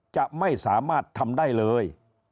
จะไม่สามารถทำได้เลย